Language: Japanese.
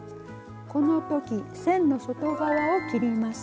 この時線の外側を切ります。